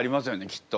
きっと。